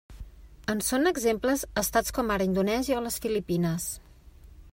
En són exemples estats com ara Indonèsia o les Filipines.